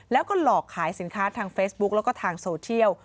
แล้วก็หลอกขายสินค้าทางเฟซบุ๊กแล้วก็ทางโซเชียล